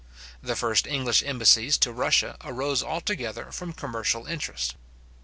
The first English embassies to Russia arose altogether from commercial interests.